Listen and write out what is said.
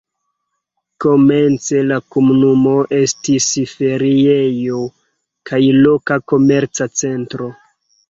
Komence la komunumo estis feriejo kaj loka komerca centro.